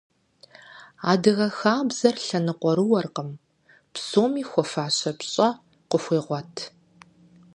Адыгэ хабзэр лъэныкъуэрыуэкъым, псоми хуэфащэ пщӀэ къыхуегъуэт.